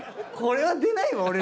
これは出ないわ